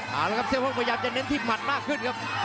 เอาละครับเสื้อโพกพยายามจะเน้นที่หมัดมากขึ้นครับ